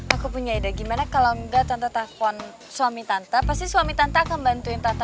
aku punya ide gimana kalau enggak tante telpon suami tante pasti suami tante akan bantuin tata